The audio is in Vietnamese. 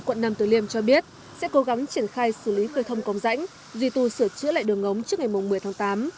quận năm từ liêm cho biết sẽ cố gắng triển khai xử lý cơ thông công rãnh duy tù sửa chữa lại đường ống trước ngày một mươi tháng tám